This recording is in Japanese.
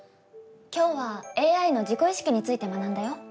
今日はＡＩの自己意識について学んだよ。